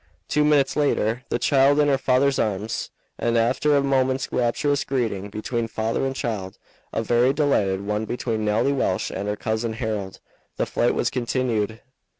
Two minutes later the child was in her father's arms, and after a moment's rapturous greeting between father and child and a very delighted one between Nelly Welch and her Cousin Harold, the flight was continued.